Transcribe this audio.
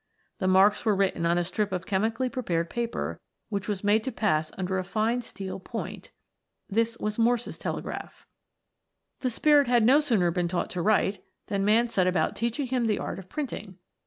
The marks were written on a strip of chemically pre pared paper, which was made to pass under a fine steel point. f The Spirit had no sooner been taught to write, than man set about teaching him the art of print ing.